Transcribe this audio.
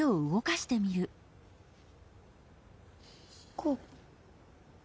こう？